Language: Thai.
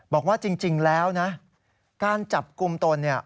บอกว่าจริงแล้วนะการจับกลุ่มตนเนี่ย